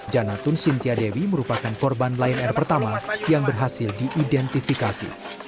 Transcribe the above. janatun sintiadewi merupakan korban lain air pertama yang berhasil diidentifikasi